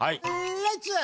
レッツ。